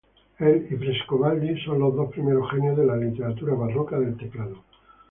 Él y Frescobaldi son los dos primeros genios de la literatura barroca del teclado.